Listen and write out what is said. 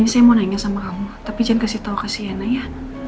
ini saya mau nanya sama kamu tapi jangan kasih tau ke sienna ya